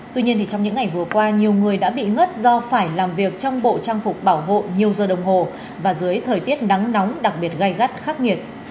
tuy nhiên trong những ngày vừa qua nhiều người đã bị ngất do phải làm việc trong bộ trang phục bảo hộ nhiều giờ đồng hồ và dưới thời tiết nắng nóng đặc biệt gai gắt khắc nghiệt